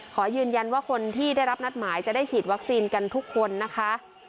ขอยืนยันว่าคนที่ได้รับนัดหมายจะได้ฉีดวัคซีนกันทุกคนนะคะ